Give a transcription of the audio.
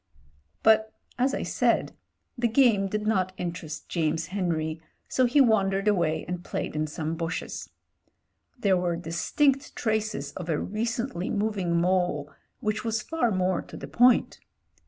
But as I said, the game did not interest James Henry, so he wandered away and played in some bushes. There were distinct traces of a recently mov 2i8 MEN, WOMEN AND GUNS ing mole which was far more to the point.